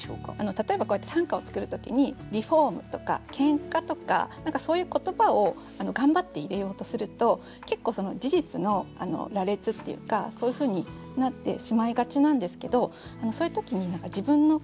例えばこうやって短歌を作る時に「リフォーム」とか「ケンカ」とか何かそういう言葉を頑張って入れようとすると結構事実の羅列っていうかそういうふうになってしまいがちなんですけどそういう時に何か自分の心。